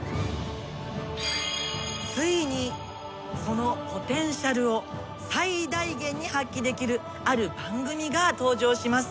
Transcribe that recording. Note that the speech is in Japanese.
ついにそのポテンシャルを最大限に発揮できるある番組が登場します。